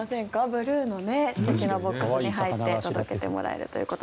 ブルーの素敵なボックスに入って届けてもらえると。